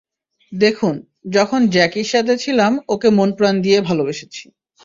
দেখুন, যখন জ্যাকির সাথে ছিলাম, ওকে মনপ্রাণ দিয়ে ভালোবেসেছি!